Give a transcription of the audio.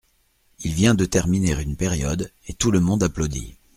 Il vient de terminer une période et tout le monde applaudit.